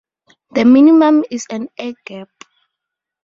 The minimum is an air gap.